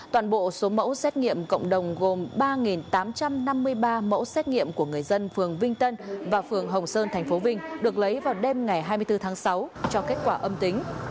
toàn bộ số mẫu xét nghiệm cộng đồng gồm ba tám trăm năm mươi ba mẫu xét nghiệm của người dân phường vinh tân và phường hồng sơn tp vinh được lấy vào đêm ngày hai mươi bốn tháng sáu cho kết quả âm tính